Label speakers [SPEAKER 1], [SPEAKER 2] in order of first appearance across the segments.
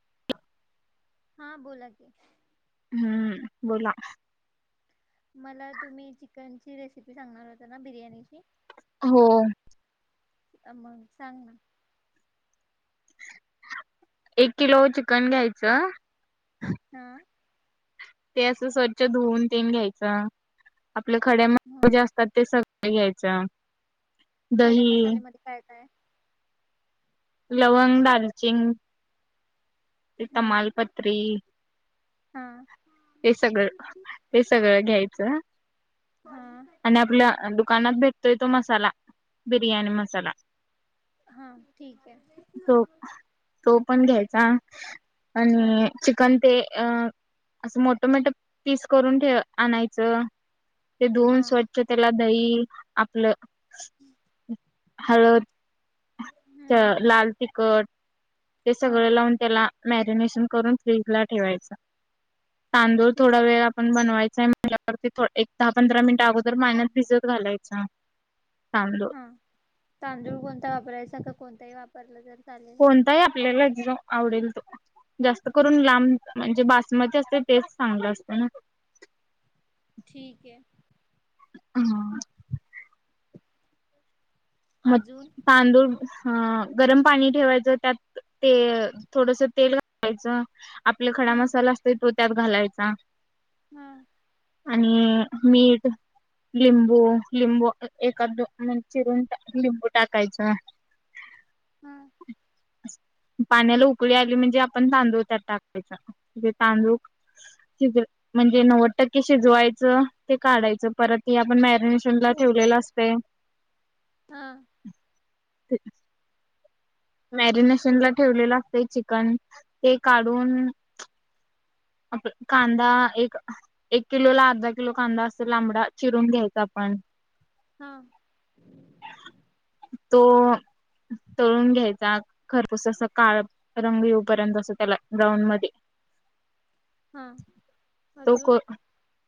[SPEAKER 1] [unintelligible]
[SPEAKER 2] हा बोला की,
[SPEAKER 1] हूं बोला
[SPEAKER 2] मला तुम्ही चिकनची रेसिपी सांगणार होता ना बिर्याणीची
[SPEAKER 1] हो
[SPEAKER 2] अ मंग सांग ना
[SPEAKER 1] एक किलो चिकन घ्यायचं
[SPEAKER 2] हा
[SPEAKER 1] ते असं स्वच्छ धुवन तेन घ्यायच आपल्या खड्यामध्ये
[SPEAKER 2] हां
[SPEAKER 1] जे असतात ते सग घ्यायचं
[SPEAKER 2] खडे
[SPEAKER 1] दही
[SPEAKER 2] मसालेमध्ये काय काय
[SPEAKER 1] लवंग दालचिंग ते
[SPEAKER 2] हां
[SPEAKER 1] तमालपत्री
[SPEAKER 2] हां
[SPEAKER 1] हे सगळं ते सगळं घ्यायचं
[SPEAKER 2] हां
[SPEAKER 1] आणि आपल्या दु दुकानात भेटतोय तो मसाला बिर्याणी मसाला.
[SPEAKER 2] हा ठीक आहे
[SPEAKER 1] तो तो पण घ्यायचा
[SPEAKER 2] हां
[SPEAKER 1] आणि चिकन ते अस मोठ मोठ पीस करून ठे आणायचं ते धुऊन
[SPEAKER 2] हां
[SPEAKER 1] स्वच्छ त्याला दही आपलं [inaudible] हळद च
[SPEAKER 2] हम्म
[SPEAKER 1] लाल तिखट ते सगळं
[SPEAKER 2] हां
[SPEAKER 1] लावून त्याला मॅरिनेशन करून फ्रीज ला ठेवायच तांदूळ
[SPEAKER 2] ठीक
[SPEAKER 1] थोडा
[SPEAKER 2] आहे
[SPEAKER 1] वेळ आपण बनवाय म्ह एक दहा पंधरा मिनिट अगोदर मायनस भिजत घालायचा तांदूळ
[SPEAKER 2] हां तांदूळ कोणता वापरायचा का कोणताही वापरलं तर चालेल
[SPEAKER 1] कोणताही आपल्याला एकदम आवडेल तो. जास्त करून लांब म्हणजे बासमती असते तेच चांगलं असत ना
[SPEAKER 2] ठीक आहे
[SPEAKER 1] हम म
[SPEAKER 2] अजून
[SPEAKER 1] तांदूळ ह गरम पाणी ठेवायचं त्यात ते थोडस तेल घालायचं आपला खडा
[SPEAKER 2] हम्म
[SPEAKER 1] मसाला असतोय तो त्यात घालायचा
[SPEAKER 2] हम्म
[SPEAKER 1] आणि मीठ लिंबू लिंबू एखाद दोन म्हण चिरून..... लिंबू टाकायचं
[SPEAKER 2] हां
[SPEAKER 1] पाण्याला उकळी आली म्हणजे आपण तांदूळ त्यात टाकायचा जे तांदूळ शीजत म्हणजे नव्वद टक्के शिजवायचं ते काढायचं परत हे आपण मॅरी मॅरीनेशनला ठेवलेलं असतय
[SPEAKER 2] हा
[SPEAKER 1] [inaudible] मॅरिनेशन ला
[SPEAKER 2] पुढे
[SPEAKER 1] ठेवलेलं लागतय चिक.... पण ते काढून,...... आपण कांदा एक एक किलो ला अर्धा किलो कांदा असे लांबडा चिरून घ्यायचा आपण
[SPEAKER 2] हा
[SPEAKER 1] तो तळून घ्यायचा खरपूस अस काळ रंग येऊपर्यंत अस त्याला ब्राऊन मध्ये....
[SPEAKER 2] हा अजून?
[SPEAKER 1] तो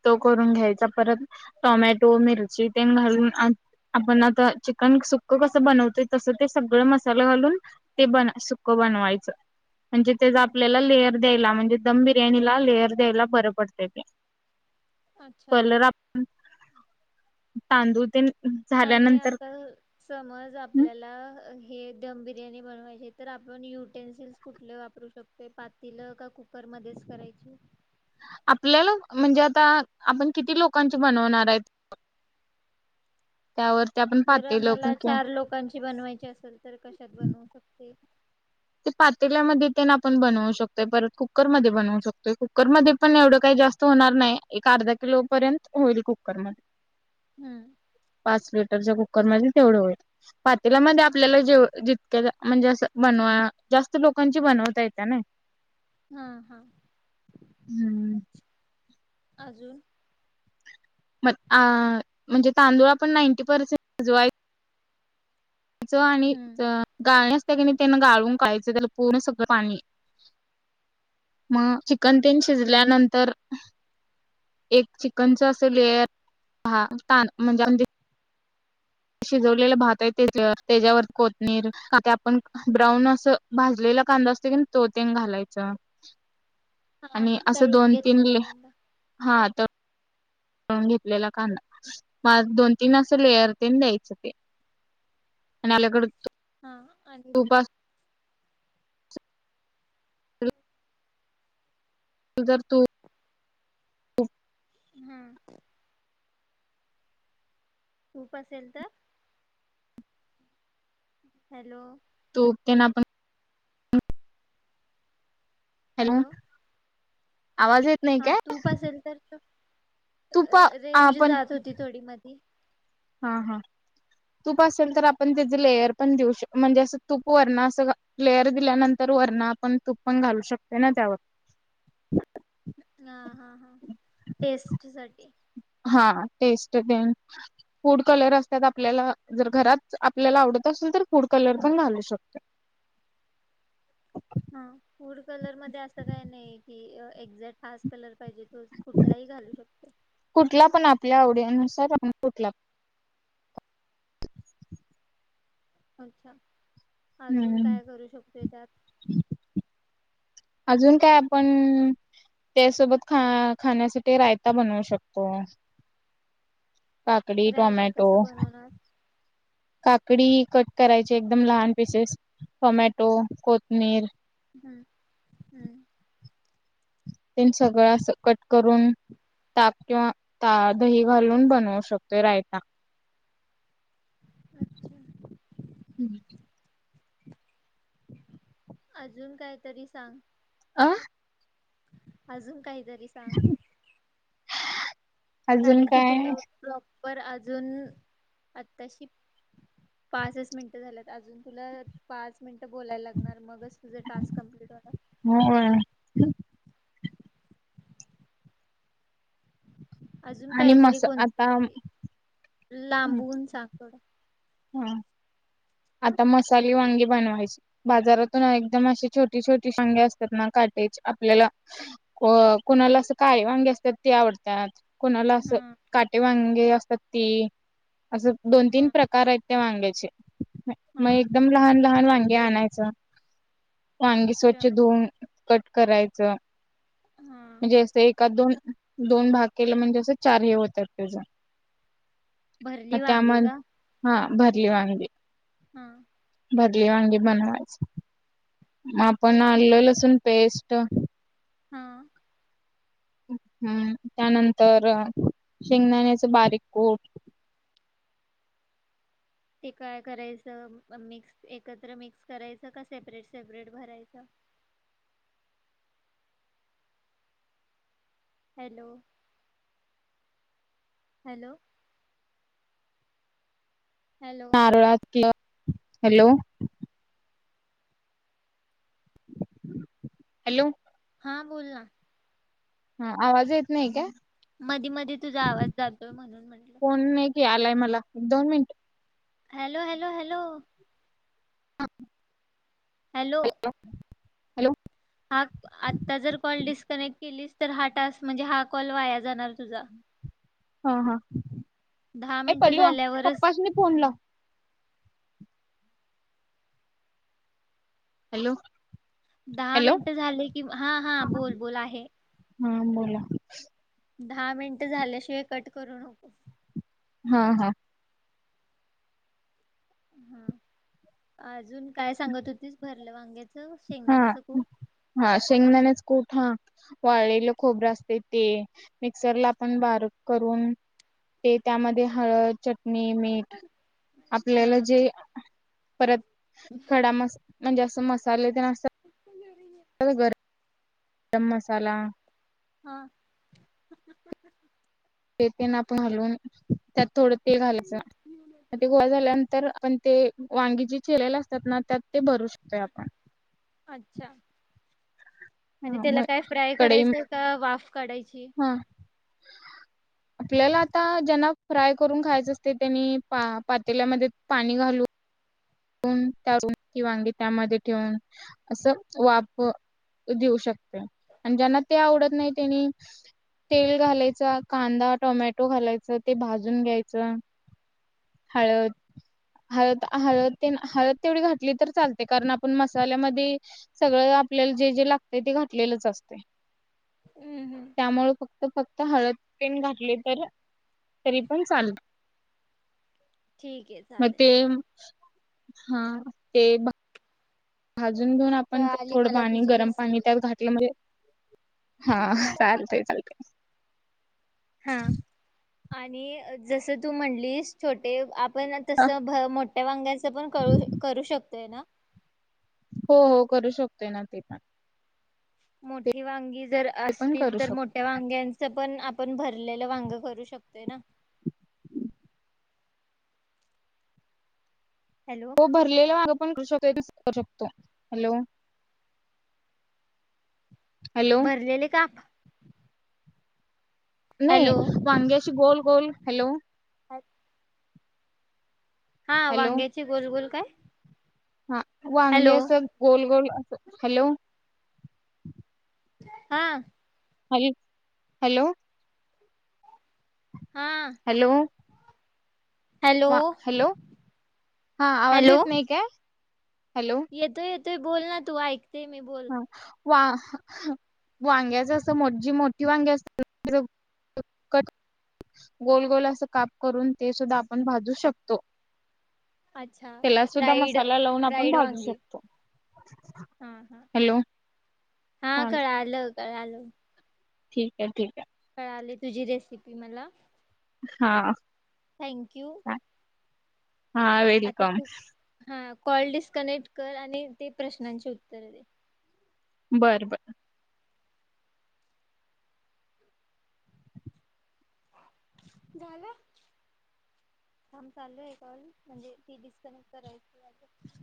[SPEAKER 1] तो करून घ्यायचा परत टोमॅटो मिरची ते घालून आपण आता चिकन सुकं कसं बनवतोय तसं ते सगळं मसाल घालून ते ब सुक बनवायच. म्हणजे ते
[SPEAKER 2] हां
[SPEAKER 1] आपल्याला लेअर..... द्यायला म्हणजे दम बी बिर्याणीला लेअर दे्यायला बर पडतय ते
[SPEAKER 2] अच्छा
[SPEAKER 1] कलर आपण... तांदूळतेन....
[SPEAKER 2] आणि आता समज आपल्याला हे दम बिर्याणी बनवायचे तर आपण युटेनसिल्स कुठले वापरू शकतो पातीलं का कुकरमध्येच करायची....
[SPEAKER 1] आपल्याला म्हणजे आता आपण किती लोकांची बनवणार आहेत..... त्यावरती आपण
[SPEAKER 2] जर
[SPEAKER 1] पातेलं
[SPEAKER 2] आम्हाला
[SPEAKER 1] किंवा
[SPEAKER 2] चार लोकांची बनवायची असेल तर कशात बनवू शकते.......
[SPEAKER 1] ते पातेल्यामध्ये ते आपण बनवू शकतोय परत कुकरमध्ये बनवू शकतोय कुकरमध्ये पण एवढं काही जास्त होणार नाही एक अर्धा किलो पर्यंत होईल कुकरमध्ये
[SPEAKER 2] हम्म
[SPEAKER 1] पाच लिटरच्या कुकरमध्ये तेवढं होईल.... त्याला मध्ये आपल्याला जेव जित... म्हणजे असं बनवा जास्त लोकांची बनवता येते नाय.
[SPEAKER 2] हा हा
[SPEAKER 1] हम्म.
[SPEAKER 2] अजून...
[SPEAKER 1] म अ म्हणजे तांदूळा पण नाईंटी पर्सेंट भिजवायचे.... आणि
[SPEAKER 2] हम्म
[SPEAKER 1] गर्निष... असतय कणी तेनी गाळून काढायचं त्याला पूर्ण सगळं पाणी मग चिकन तेन शिजल्यानंतर एक चिकनच असं लेयर ह ताण म्हणजे शिजवलेला भात आहे त्या त्याच्यावर कोथंबिर ते आपण ब्राऊन असं भाजलेला कांदा असतो की तो तेन घालायचं
[SPEAKER 2] हा हा
[SPEAKER 1] आणि असं
[SPEAKER 2] तळून
[SPEAKER 1] दोन तीन
[SPEAKER 2] घेतलेला कांदा
[SPEAKER 1] हा त.... तळून घेतलेला कांदा म दोन तीन असं लेयर तेन द्यायचं ते. नाल्याकड..
[SPEAKER 2] हा आणि
[SPEAKER 1] उपास तु जर तू
[SPEAKER 2] हूं तूप असेल तर हॅलो
[SPEAKER 1] तु तेना पण
[SPEAKER 2] हॅलो
[SPEAKER 1] आवाज येत नाही
[SPEAKER 2] हा
[SPEAKER 1] काय
[SPEAKER 2] तूप असेल तर त
[SPEAKER 1] तूप
[SPEAKER 2] अअ रेंज
[SPEAKER 1] आपण
[SPEAKER 2] जात होती थोडी मधी
[SPEAKER 1] हा हा तूप असेल तर आपण त्याचे लेयर पण देऊ शक म्हणजे असं तूप वरण असं लेयर दिल्यानंतर वरण आपण तूप पण घालू शकते ना त्यावर
[SPEAKER 2] हा हा हा टेस्ट साठी
[SPEAKER 1] हा टेस्ट तेन फूड कलर असत्यात आपल्याला जर घरात आपल्याला आवडत असेल तर फूड कलर पण घालू शकतोय.
[SPEAKER 2] हं फुड कलर मध्ये असं काही नाहीये की, एक्झॅक्ट हाच कलर पाहिजे तो कुठलाही घालू शकतो.
[SPEAKER 1] नुसार आप कुठलापण [unintelligible]
[SPEAKER 2] अच्छा अजून
[SPEAKER 1] हम्म
[SPEAKER 2] काय करू शकतोय त्यात
[SPEAKER 1] अजून काय आपण त्यासोबत ख खाण्यासाठी रायता बनवू शकतो. काकडी
[SPEAKER 2] रायता
[SPEAKER 1] टोमॅटो
[SPEAKER 2] कसं बनवणार?
[SPEAKER 1] काकडी कट करायची एकदम लहान पिसेस टोमॅटो, कोथमीर
[SPEAKER 2] हूं हूं
[SPEAKER 1] तेन सगळं असं कट करून टाक किंवा त दही घालून बनवू शकतोय रायता
[SPEAKER 2] अच्छा
[SPEAKER 1] हम्
[SPEAKER 2] अजून कायतरी सांग
[SPEAKER 1] [inaudible]
[SPEAKER 2] अजून काय? तरी सांग
[SPEAKER 1] अजून
[SPEAKER 2] कारण की
[SPEAKER 1] काय
[SPEAKER 2] तुला ब्लॉक पर अजून आताशी पाचच मिनट झाल्यात अजून तुला पाच मिन बोलायला लागणार मग तुझं टास्क कंप्लीट होणार
[SPEAKER 1] हो
[SPEAKER 2] अजून
[SPEAKER 1] आणि मस आता
[SPEAKER 2] लांबून सांग थोड
[SPEAKER 1] हां आता मसाली वांगी बनवायची बाजारातून एकदम अशी छोटी छोटी वांगे असतात ना काटेची आपल्याला कुणाला अस काळे वांगी असतात ते आवडतात. कोणाला असं
[SPEAKER 2] हा
[SPEAKER 1] काटे वांग हे अस ती असं दोन तीन
[SPEAKER 2] हा
[SPEAKER 1] प्रकार आहेत त्या वांग्याचे.
[SPEAKER 2] हा
[SPEAKER 1] मग एकदम लहान लहान वांग घे आणयचं वांगी
[SPEAKER 2] अच्छा
[SPEAKER 1] स्वच्छ धुऊन कट करायचं.
[SPEAKER 2] हा
[SPEAKER 1] म्हणजें अस एकात दोन दोन भाग केला म्हणजे असं चारही होतात तेझ
[SPEAKER 2] भरली वांगे का
[SPEAKER 1] भरली वांगे
[SPEAKER 2] हां
[SPEAKER 1] भदले वांगी बनवायच म आपण आलल लसून. पेस्ट
[SPEAKER 2] हां
[SPEAKER 1] हम् त्यानंतर शेंगदाण्याचं बारीक कूट
[SPEAKER 2] ते काय करायचं मिक्स एकत्र मिक्स करायचं का सेपरेट सेपरेट भरायचं हॅलो. हॅलो हॅलो
[SPEAKER 1] नारळात क्लब हॅलो हॅलो
[SPEAKER 2] हां बोल ना
[SPEAKER 1] हा आवाज येत नाही का
[SPEAKER 2] मधी मधी तुझा आवाज जातोय म्हणून म्हटलं
[SPEAKER 1] हे आलाय मला एक दोन minute
[SPEAKER 2] hello hello hello
[SPEAKER 1] hello hello
[SPEAKER 2] हा आता जर कॉल डिस्कनेक्ट केलीस तर हा टास् म्हणजे हा कॉल वाया जाणार तुझा
[SPEAKER 1] हा हा
[SPEAKER 2] दहा
[SPEAKER 1] हे
[SPEAKER 2] मिनिटं
[SPEAKER 1] पल्लू
[SPEAKER 2] झाल्यावरच
[SPEAKER 1] पप्पांस्नी फोन लाव हॅलो
[SPEAKER 2] दहा
[SPEAKER 1] हॅलो
[SPEAKER 2] मिनट झाले कि हा हा बोल बोल आहे.
[SPEAKER 1] हा बोला
[SPEAKER 2] दहा मिनटं झाल्याशिवाय कट करू नको
[SPEAKER 1] हा हा
[SPEAKER 2] हा अजून काय सांगत होतीस भरलं वांग्या
[SPEAKER 1] हा हा शेंगदान्याच कुट हा वाळलेलं खोबरं असतय ते मिक्सरला आपण बारक करून ते त्यामध्ये हळद चट मी मीठ आपल्याला
[SPEAKER 2] हा
[SPEAKER 1] जे परत खडामस मनजे असं मसालेदार स घर गरम मसाला
[SPEAKER 2] हां
[SPEAKER 1] ते ते नापून हालून त्यात थोडं तेल घालायचं ते गोळा झाल्यानंतर आपण ते वांगी जे चिरलेल्याल असत्यात ना त्यात ते भरू शकतोय आपण
[SPEAKER 2] अच्छा आणि
[SPEAKER 1] हा
[SPEAKER 2] त्याला
[SPEAKER 1] मग
[SPEAKER 2] काय फ्राय
[SPEAKER 1] कढई
[SPEAKER 2] करायचंय का वाफ काढायची
[SPEAKER 1] हा आपल्याला आता ज्यांना फ्राय करून खायचं असतय त्यांनी पा पातेल्यामध्ये पाणी घालून त्या कि वांगी त्यामध्ये ठेवून असं वाप देऊ शकते आणि ज्यांना ते आवडत नाही त्यांनी तेल घालायच कांदा टोमॅटो घालायच ते भाजून घ्यायच हळद हळद हळद ते हळद तेवढी घातली तर चालते कारण आपण मसाल्यामध्ये सगळं आपल्याला जे जे लागत ते घातलेलंच असते
[SPEAKER 2] हम्म हम्म
[SPEAKER 1] त्यामुळे फक फक्त हळद तेन घातले तर तरी पण चाल
[SPEAKER 2] ठीक आहे चालेल चालेल
[SPEAKER 1] हा ते भ [unintelligible] अदन घेऊन आपण
[SPEAKER 2] कळाली
[SPEAKER 1] थोडं
[SPEAKER 2] मला
[SPEAKER 1] पाणी
[SPEAKER 2] तुझी
[SPEAKER 1] गरम पाणी
[SPEAKER 2] रेसिपी
[SPEAKER 1] त्यात घातलं म्हणजे हा चालतंय चालतय
[SPEAKER 2] हा आणि जस तू म्हणलीस छोटे आप पण तसं भ मोठ्या वांग्याच पण कू करू शकतोय ना
[SPEAKER 1] हो हो करू शकतोय ना ते पण
[SPEAKER 2] मोठी वांगी जर
[SPEAKER 1] ते पण
[SPEAKER 2] असतील
[SPEAKER 1] करू
[SPEAKER 2] तर
[SPEAKER 1] शकतो
[SPEAKER 2] मोठ्या वांग्यांच पण आपण भरलेलं वांग करू शकतोय ना हॅलो
[SPEAKER 1] हो भरलेला वांग पण करु शक करू शकतो हॅलो हॅलो
[SPEAKER 2] भरलेले का?
[SPEAKER 1] नाही
[SPEAKER 2] हॅलो
[SPEAKER 1] वांग्याशी गोल गोल हॅलो
[SPEAKER 2] ह [unintelligible] हा
[SPEAKER 1] हॅलो
[SPEAKER 2] वांग्याची गोलगोल काय
[SPEAKER 1] हा वांगे
[SPEAKER 2] हॅलो
[SPEAKER 1] असं गोल गोल... हॅलो
[SPEAKER 2] हा
[SPEAKER 1] हॅल हॅलो
[SPEAKER 2] हा
[SPEAKER 1] हॅलो
[SPEAKER 2] हॅलो
[SPEAKER 1] हॅलो हा आवाज येत नाही काय? हॅलो
[SPEAKER 2] येतो य ते बोल ना तू ऐक ते मी बोल
[SPEAKER 1] हा वांग्याच अस जी मोठी वांग्या अस गोल गोल कट अस काप करून ते सुद्धा आपण भाजू शकतो
[SPEAKER 2] अच्छा
[SPEAKER 1] त्याला सुद्धा
[SPEAKER 2] फ्राईड
[SPEAKER 1] मसाला लावून आपण
[SPEAKER 2] फ्राईड
[SPEAKER 1] भाजू
[SPEAKER 2] वांगी
[SPEAKER 1] शकतो
[SPEAKER 2] हा हा
[SPEAKER 1] हॅलो
[SPEAKER 2] हा कळालं कळालं. [inaudible]
[SPEAKER 1] ठीक आहे ठीक आहे
[SPEAKER 2] कळाले तुझी रेसिपी मला......
[SPEAKER 1] हा
[SPEAKER 2] थँक यू
[SPEAKER 1] हा वेलकम..
[SPEAKER 2] हा कॉल डिस्कनेक्ट कर आणि ते प्रश्नांचे उत्तर दे.
[SPEAKER 1] बर बर
[SPEAKER 2] झालं म चालू आहे एकावर म्हणजे ती डिस्कनेक्ट करायची..